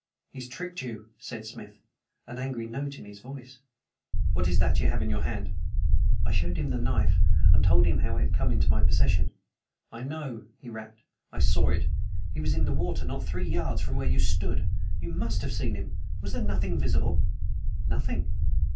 "He's tricked you," said Smith, an angry note in his voice. "What is that you have in your hand?" I showed him the knife, and told him how it had come into my possession. "I know," he rapped. "I saw it. He was in the water not three yards from where you stood. You must have seen him. Was there nothing visible?" "Nothing."